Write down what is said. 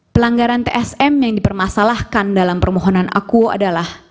pelanggaran tsm yang dipermasalahkan dalam permohonan akuo adalah